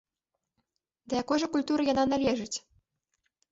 Да якой жа культуры яна належыць?